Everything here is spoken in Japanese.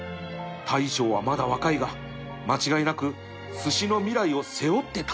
大将はまだ若いが間違いなくすしの未来を背負って立つとみた